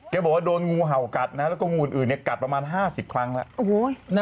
บอกว่าโดนงูเห่ากัดนะแล้วก็งูอื่นกัดประมาณ๕๐ครั้งแล้ว